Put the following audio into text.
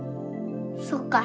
そっか。